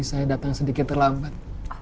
saya datang sedikit terlambat